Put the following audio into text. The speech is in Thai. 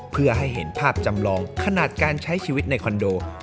เพื่อให้เห็นภาพจำลองขนาดการใช้ชีวิตในคอนโด